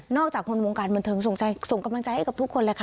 จากคนวงการบันเทิงส่งกำลังใจให้กับทุกคนเลยค่ะ